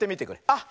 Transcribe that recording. あっ！